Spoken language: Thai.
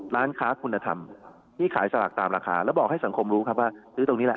ร้านค้าคุณธรรมที่ขายสลากตามราคาแล้วบอกให้สังคมรู้ครับว่าซื้อตรงนี้แหละ